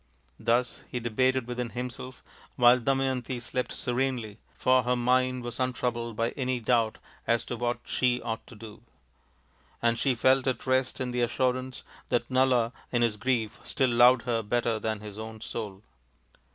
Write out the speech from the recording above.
Thus he debated within himself, while Damayanti slept serenely, for her mind was untroubled by any doubt as to what she ought to do ; and she felt at rest in the assurance that Nala in his grief still loved her I 130 THE INDIAN STORY BOOK better than his own soul.